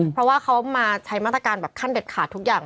เพราะว่าเขามาใช้มาตรการแบบขั้นเด็ดขาดทุกอย่าง